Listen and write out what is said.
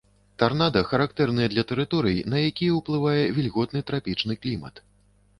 Тарнада характэрныя для тэрыторый, на якія уплывае вільготны трапічны клімат.